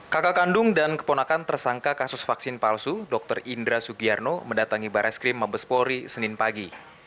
kakak kandung dan keponakan tersangka kasus vaksin palsu dr indra sugiyarno mendatangi barai skrim mabes polri senin pagi